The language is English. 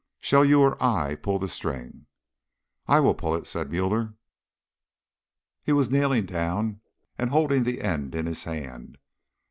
"Shall you or I pull the string?" "I will pull it," said Müller. He was kneeling down and holding the end in his hand.